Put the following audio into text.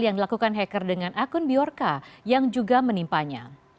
yang dilakukan hacker dengan akun biorca yang juga menimpanya